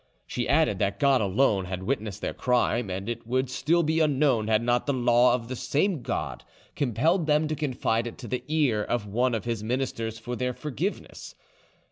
She added that God alone had witnessed their crime, and it would still be unknown had not the law of the same God compelled them to confide it to the ear of one of His ministers for their forgiveness.